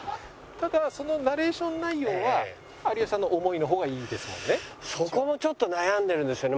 ただそのナレーション内容は有吉さんの思いの方がいいですもんね。